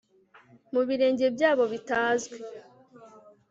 Mu birenge byabo bitazwi